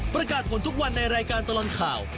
ประกาศผลทุกวันในรายการตลอดข่าว